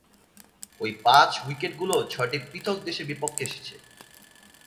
ঐ পাঁচ-উইকেটগুলো ছয়টি পৃথক দেশের বিপক্ষে এসেছে।